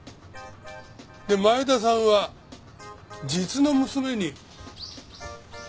で前田さんは実の娘に。